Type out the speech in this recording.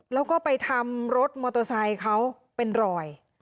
แล้วก็ไปทำรถมอเตอร์ไซค์เขาเป็นรอย